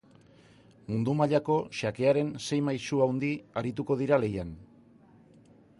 Mundu mailako xakearen sei maisu handi arituko dira lehian.